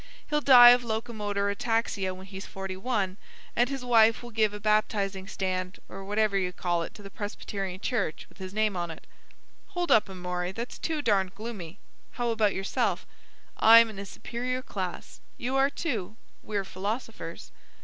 He'll die of locomotor ataxia when he's forty one, and his wife will give a baptizing stand or whatever you call it to the Presbyterian Church, with his name on it—" "Hold up, Amory. That's too darned gloomy. How about yourself?" "I'm in a superior class. You are, too. We're philosophers."